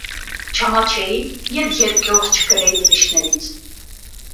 չամաչեի և երկյուղ չկրեի ուրիշներից…